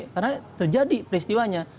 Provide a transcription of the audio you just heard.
karena terjadi peristiwanya